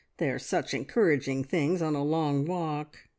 They are such encouraging things on a long walk!